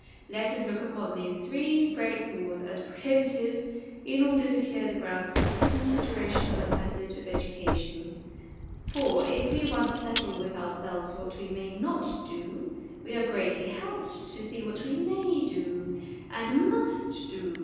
Let us look upon these three SOME PRELIMINARY CONSIDERATIONS 13 great laws as prohibitive, in order to clear the ground for the consideration of a method of education ; for if we once settle with ourselves what we may not do, we are greatly helped to see what we may do, and must do.